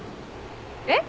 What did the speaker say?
えっ？